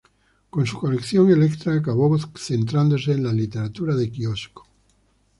Con su colección Electra, acabó centrándose en la literatura de quiosco.